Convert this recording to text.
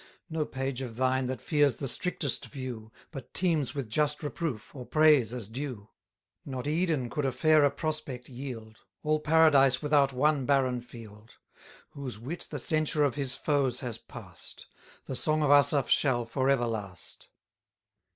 No page of thine that fears the strictest view, But teems with just reproof, or praise as due; Not Eden could a fairer prospect yield, All Paradise without one barren field: Whose wit the censure of his foes has pass'd The song of Asaph shall for ever last.